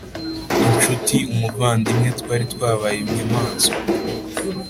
inshuti, umuvandimwe, Twari twabaye inyamaswa.